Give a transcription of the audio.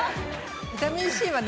ビタミンＣはね